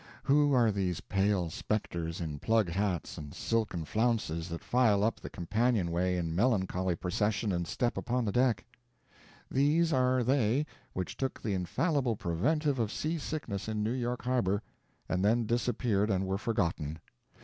Who are these pale specters in plug hats and silken flounces that file up the companionway in melancholy procession and step upon the deck? These are they which took the infallible preventive of seasickness in New York harbor and then disappeared and were forgotten.